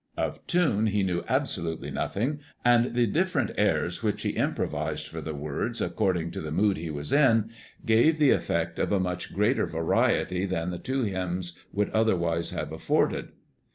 Of tune he knew absolutely nothing, and the different airs which he improvised for the words, according to the mood he was in, gave the effect of a much greater variety than the two hymns would otherwise have afforded.